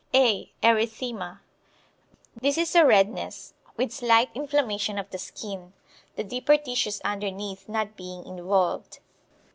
(a) Erythema. This is a redness, with slight inflammation of the skin, the deeper tissues underneath not being involved.